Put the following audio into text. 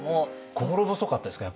心細かったですか？